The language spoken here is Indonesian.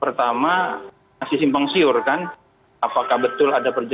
pertama masih simpang siur